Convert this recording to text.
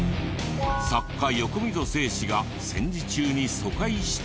作家横溝正史が戦時中に疎開した家に。